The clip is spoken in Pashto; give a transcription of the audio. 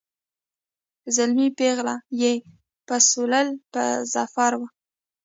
زلمی پېغله یې پسوللي په ظفر وه